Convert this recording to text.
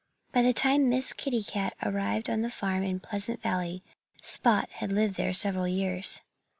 By the time Miss Kitty Cat arrived on the farm in Pleasant Valley Spot had lived there several years.